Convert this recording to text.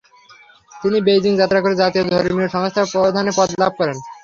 তিনি বেইজিং যাত্রা করে জাতীয় ধর্মীয় সংস্থার প্রধানের পদ লাভ করেন।